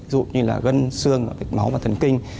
dụ như là gân xương vệch máu và thần kinh